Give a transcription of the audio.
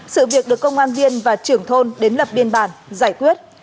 sự việc được công an viên và trưởng thôn đến lập biên bản giải quyết